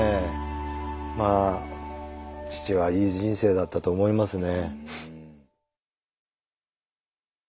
まあ父はいい人生だったと思いますね。